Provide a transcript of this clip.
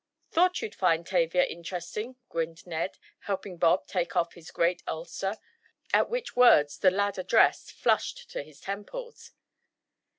"Thought you'd find Tavia interesting," grinned Ned, helping Bob take off his great ulster, at which words the lad addressed flushed to his temples.